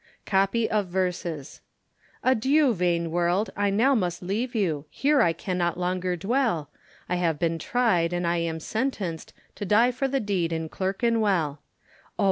COPY OF VERSES. Adieu, vain world, I now must leave you, Here I cannot longer dwell, I have been tried, and I am sentenced To die for the deed in Clerkenwell; Oh!